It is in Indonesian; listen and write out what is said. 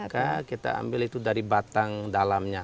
kalau nangka kita ambil itu dari batang dalamnya